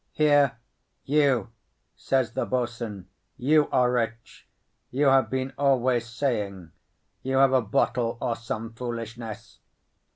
"Here, you!" says the boatswain, "you are rich, you have been always saying. You have a bottle or some foolishness."